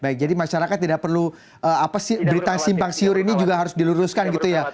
baik jadi masyarakat tidak perlu berita simpang siur ini juga harus diluruskan gitu ya